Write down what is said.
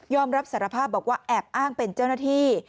รับสารภาพบอกว่าแอบอ้างเป็นเจ้าหน้าที่